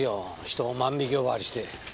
人を万引き呼ばわりして。